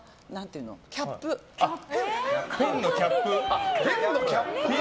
ペンのキャップだ。